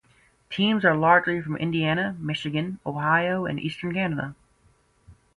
Teams are largely from Indiana, Michigan, Ohio and Eastern Canada.